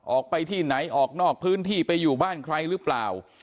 ออกไปที่ไหนออกนอกพื้นที่ไปอยู่บ้านใครหรือเปล่า